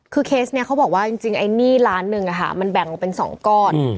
คือเคสนี้เขาบอกว่าจริงไอ้หนี้ล้านหนึ่งมันแบ่งออกเป็น๒ก้อน